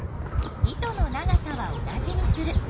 糸の長さは同じにする。